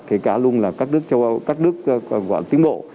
kể cả luôn là các nước tiến bộ